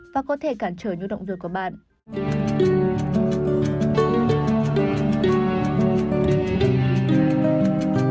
và có thể cản trở nhu động dược của bạn